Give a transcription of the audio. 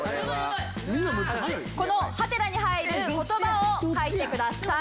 このハテナに入る言葉を書いてください。